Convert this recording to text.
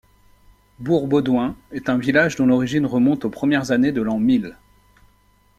Bourg-Beaudouin est un village dont l’origine remonte aux premières années de l'an mil.